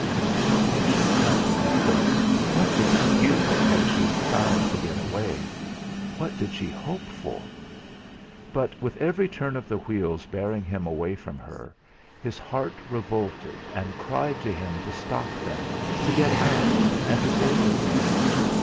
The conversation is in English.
How had she come like this? what excuse had she found to get away? what did she hope for? But with every turn of the wheels bearing him away from her, his heart revolted and cried to him to stop them, to get out, and go to her!